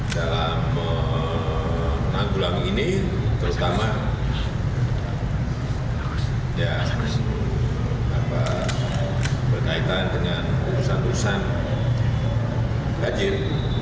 dalam menanggulang ini terutama berkaitan dengan urusan urusan banjir